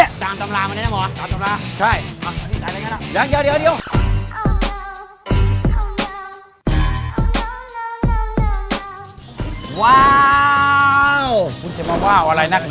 ตามจำลามาได้นะหมอ